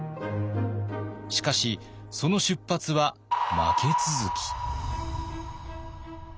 しかしその出発は負け続き。